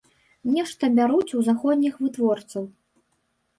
Нешта бяруць у заходніх вытворцаў.